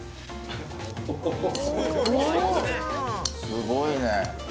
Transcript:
すごいね。